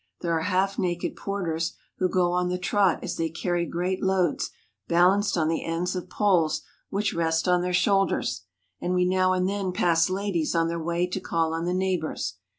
There are half naked porters, who go on the trot as they carry great loads balanced on the ends of poles which rest on their shoulders, and we now and then pass ladies on their way to call on the neighbors.